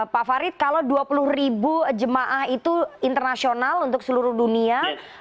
pak farid kalau dua puluh ribu jemaah itu internasional untuk seluruh dunia